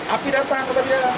api datang kata dia